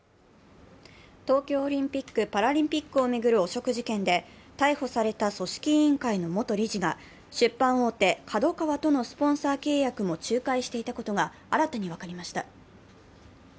東京オリンピック・パラリンピックを巡る汚職事件で、逮捕された組織委員会の元理事が出版大手のＫＡＤＯＫＡＷＡとのスポンサー契約も仲介していたことが新たに分かりました。